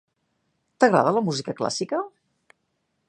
T'agrada la música clàssica?